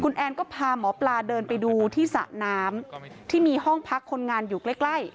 แอนก็พาหมอปลาเดินไปดูที่สระน้ำที่มีห้องพักคนงานอยู่ใกล้ใกล้